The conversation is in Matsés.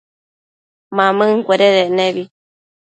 Mamëncuededec nebi